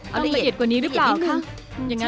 ละเอียดกว่านี้หรือเปล่าคะ